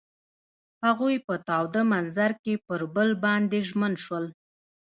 هغوی په تاوده منظر کې پر بل باندې ژمن شول.